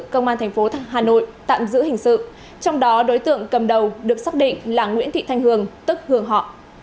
công an thành phố hà nội tạm giữ hình sự trong đó đối tượng cầm đầu được xác định là nguyễn thị thanh hường tức hường họ